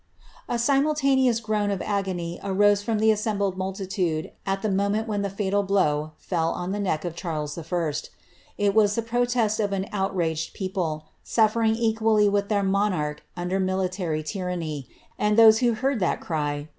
A simultaneous groan of agony arose from the assembled multitude at the moment when the fatal blow fell on the neck of Charles I. It was the protest of an outraged people, suffering equally with their mo narch, under military tyranny; and those who heard that cry recalled it uith horror to their deaths.